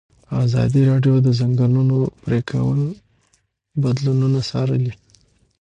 ازادي راډیو د د ځنګلونو پرېکول بدلونونه څارلي.